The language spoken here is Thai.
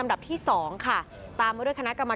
การสอบส่วนแล้วนะ